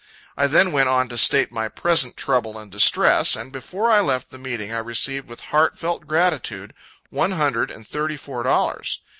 I then went on to state my present trouble and distress and before I left the meeting, I received with heart felt gratitude, one hundred and thirty four dollars.